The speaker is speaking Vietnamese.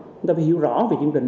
chúng ta phải hiểu rõ về chương trình